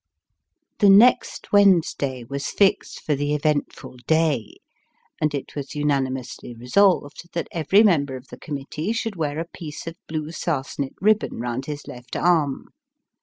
The next Wednesday was fixed for the eventful day, and it was unanimously resolved that every member of the committee should wear a piece of blue sarsenet ribbon round his left arm.